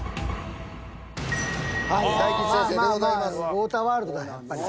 「ウォーターワールド」だなやっぱり。